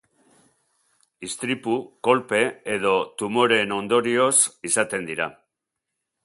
Istripu, kolpe edo tumoreen ondorioz izaten dira.